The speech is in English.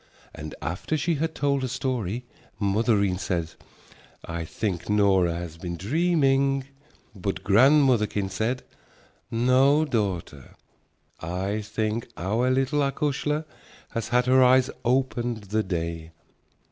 And after she had told her story, mothereen said, "I think Nora has been dreaming," but grandmotherkin said, "No, daughter, I think our little acushla has had her eyes opened the day."